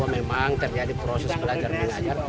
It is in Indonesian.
memang terjadi proses belajar mengajar